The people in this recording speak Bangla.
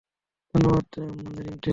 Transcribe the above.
ধন্যবাদ, রিংটেইল।